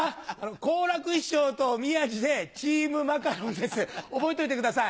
好楽師匠と宮治でチームマカロンです覚えといてください。